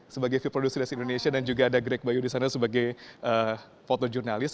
sebagai vp produksi dari indonesia dan juga ada greg bayu di sana sebagai fotojurnalis